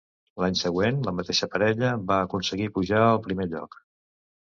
L'any següent, la mateixa parella, va aconseguir pujar al primer lloc.